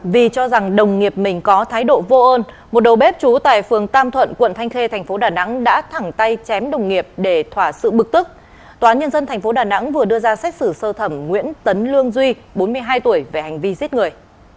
vì cho rằng đồng nghiệp mình có thái độ vô ơn một đầu bếp trú tại phường tam thuận quận thanh khê thành phố đà nẵng đã thẳng tay chém đồng nghiệp để thỏa sự bực tức tòa nhân dân tp đà nẵng vừa đưa ra xét xử sơ thẩm nguyễn tấn lương duy bốn mươi hai tuổi về hành vi giết người